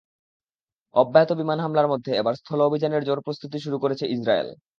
অব্যাহত বিমান হামলার মধ্যে এবার স্থল অভিযানের জোর প্রস্তুতি শুরু করেছে ইসরায়েল।